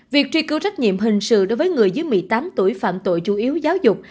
việc truy cứu trách nhiệm hình sự đối với người dưới một mươi tám tuổi phạm tội chủ yếu giáo dục